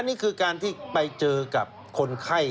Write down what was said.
นี่คือการที่ไปเจอกับคนไข้